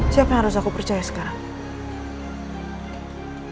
siapa yang harus aku percaya sekarang